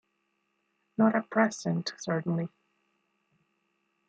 Not at present, certainly.